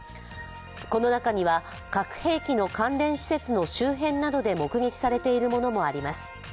この中には、核兵器の関連施設の周辺などで目撃されているものもあります。